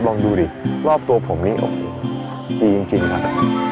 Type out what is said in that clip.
ลองดูดิรอบตัวผมนี่โอ้โหดีจริงครับ